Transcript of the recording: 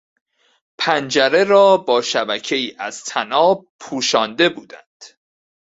پنجره را با شبکهای از طناب پوشانده بودند.